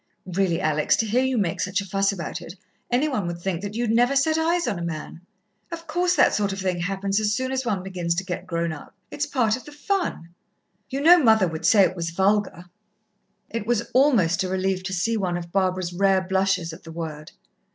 "Really, Alex, to hear you make such a fuss about it, any one would think that you'd never set eyes on a man. Of course, that sort of thing happens as soon as one begins to get grown up. It's part of the fun." "You know mother would say it was vulgar." It was almost a relief to see one of Barbara's rare blushes at the word.